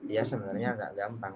ya sebenarnya tidak gampang